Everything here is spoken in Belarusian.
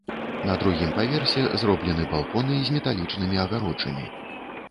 На другім паверсе зроблены балконы з металічнымі агароджамі.